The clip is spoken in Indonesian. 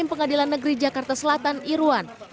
pengadilan negeri jakarta selatan irwan